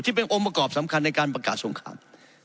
เป็นองค์ประกอบสำคัญในการประกาศสงคราม